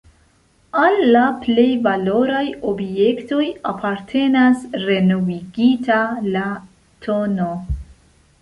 Al la plej valoraj objektoj apartenas renovigita, la tn.